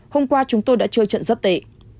hôm qua chúng tôi đã chơi trận rất tệ